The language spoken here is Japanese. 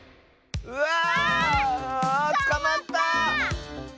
うわつかまった！